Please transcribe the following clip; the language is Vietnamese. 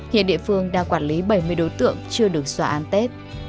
hiện địa phương đã quản lý bảy mươi đối tượng chưa được xóa án tết